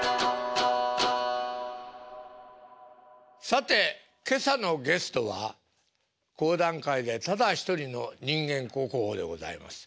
さて今朝のゲストは講談界でただ一人の人間国宝でございます